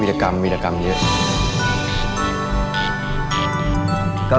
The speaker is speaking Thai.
วิธกรรมวิธกรรมเยอะ